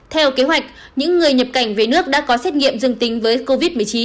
theo kế hoạch những người nhập cảnh về nước đã có xét nghiệm dương tính với covid một mươi chín